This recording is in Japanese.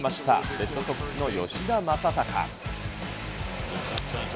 レッドソックスの吉田正尚。